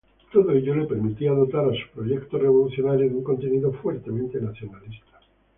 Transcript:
Todo ello le permitía dotar a su proyecto revolucionario de un contenido fuertemente nacionalista.